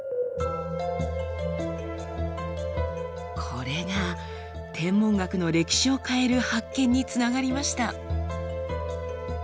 これが天文学の歴史を変える発見につながりました。